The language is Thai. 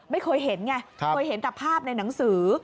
ไม่เคยเห็นไงเคยเห็นแต่ภาพในหนังสือ